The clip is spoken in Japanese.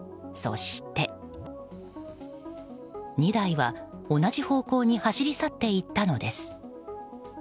２台は同じ方向に走り去っていったのです。